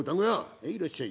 「へいいらっしゃい」。